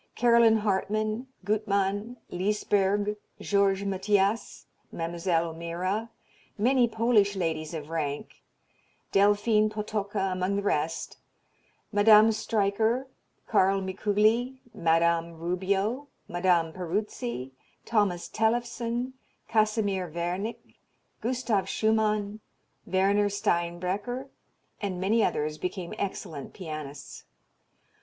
Caroline Hartmann, Gutmann, Lysberg, Georges Mathias, Mlle. O'Meara, many Polish ladies of rank, Delphine Potocka among the rest, Madame Streicher, Carl Mikuli, Madame Rubio, Madame Peruzzi, Thomas Tellefsen, Casimir Wernik, Gustav Schumann, Werner Steinbrecher, and many others became excellent pianists.